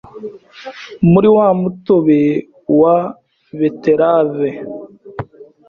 muri wa mutobe wa Beterave,